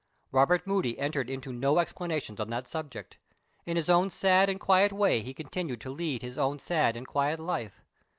Robert Moody entered into no explanations on that subject. In his own sad and quiet way he continued to lead his own sad and quiet life.